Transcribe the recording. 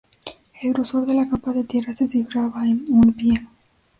El grosor de la capa de tierra se cifraba en "un pie".